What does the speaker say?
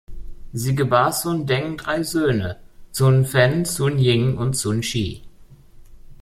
Sie gebar Sun Deng drei Söhne: Sun Fan, Sun Ying und Sun Xi.